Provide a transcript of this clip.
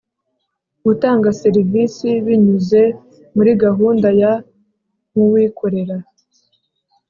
Gutanga serivisi binyuze muri gahunda ya nk’ uwikorera